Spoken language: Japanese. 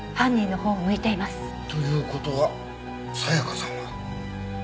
という事は沙也加さんは。